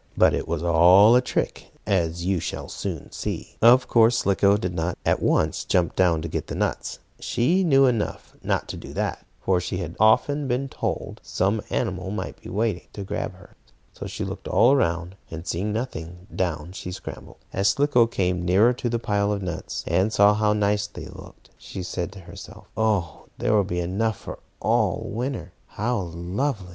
But it was all a trick, as you shall soon see. Of course Slicko did not at once jump down to get the nuts. She knew enough not to do that, for she had often been told some animal might be waiting to grab her. So she looked all around, and, seeing nothing, down she scrambled. As Slicko came nearer to the pile of nuts, and saw how nice they looked, she said to herself: "Oh, there will be enough for all winter. How lovely!"